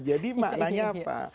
jadi maknanya apa